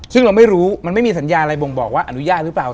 ซึ่งเราไม่รู้มันไม่มีสัญญาอะไรบ่งบอกว่าอนุญาตหรือเปล่า